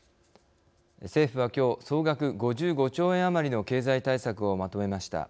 政府はきょう総額５５兆円余りの経済対策をまとめました。